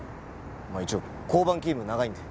まあ一応交番勤務長いんで。